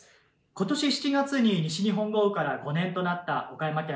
今年７月に、西日本豪雨から５年となった岡山県。